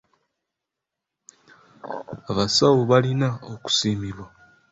Abasawo balina okusiimibwa.